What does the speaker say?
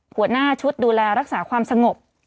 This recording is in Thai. หัวหน้าชุดดูแลรักษาความสงบ